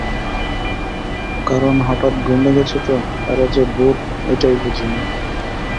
কারণ হঠাৎ ঘুম ভেঙেছে তো, এরা যে ভূত এইটাই বুঝি নি।